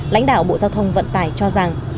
lãnh đạo bộ giao thông vận tải cho rằng